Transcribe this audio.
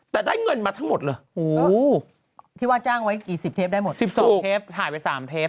แต่ได้เงินมาทั้งหมดเลยที่ว่าจ้างไว้กี่สิบเทปได้หมด๑๒เทปถ่ายไป๓เทป